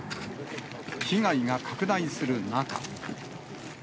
被害が拡大する中。